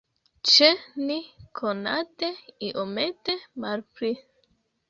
Ĉe ni, konate, iomete malpli.